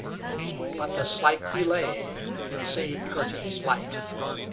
But the slight delay saved Girty's life.